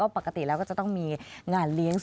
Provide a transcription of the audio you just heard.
ปกติแล้วก็จะต้องมีงานเลี้ยง